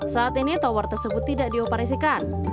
saat ini tower tersebut tidak dioperasikan